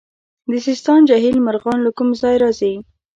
د سیستان جهیل مرغان له کوم ځای راځي؟